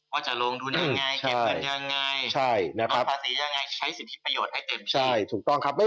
ว่าจะลงดูยังไงเก็บเงินยังไงลดภาษียังไงใช้สิทธิประโยชน์ให้เต็มที